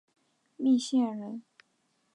密县人。